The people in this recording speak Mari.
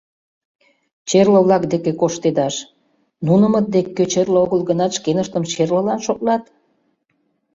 Черле-влак деке коштедаш... нунымыт деке, кӧ черле огыл гынат, шкеныштым черлылан шотлат?